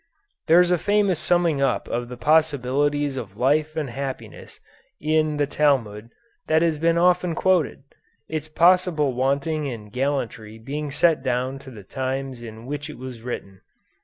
There is a famous summing up of the possibilities of life and happiness in the Talmud that has been often quoted its possible wanting in gallantry being set down to the times in which it was written.